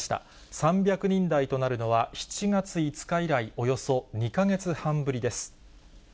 ３００人台となるのは、７月５日以来およそ２か月半ぶりです。